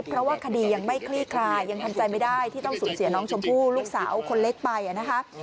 เพราะว่าคดียังไม่คลี่คลายยังทำใจไม่ได้ที่ต้องสูญเสียน้องชมพู่ลูกสาวคนเล็กไปนะคะ